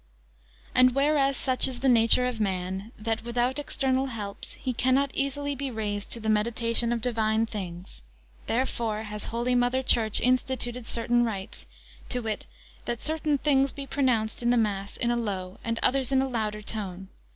And whereas such is the nature of man, that, without external helps, he cannot easily be raised to the meditation of divine things; therefore has holy Mother Church instituted certain rites, to wit that certain things be pronounced in the mass in a low, and others in a louder, tone.